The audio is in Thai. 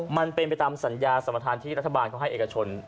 มันเป็นตามสัญญาสรรพทานที่รัฐบาลให้เอกชน